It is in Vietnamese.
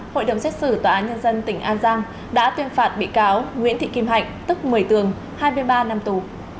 hội đồng xét xử tòa án nhân dân tỉnh an giang đã tuyên phạt bị cáo nguyễn thị kim hạnh tức một mươi tường hai mươi ba năm tù